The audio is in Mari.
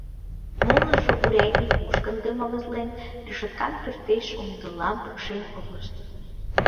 Молыжо урядник мушкындым авызлен, решоткан пӧртеш умдылам пукшен утлышт.